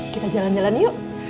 kita jalan jalan yuk